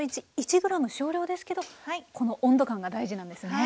１ｇ少量ですけどこの温度感が大事なんですね。